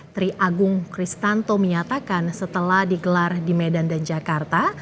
tri agung kristanto menyatakan setelah digelar di medan dan jakarta